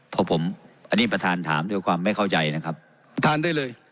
เพราะผมอันนี้ประธานถามด้วยความไม่เข้าใจนะครับประธานได้เลย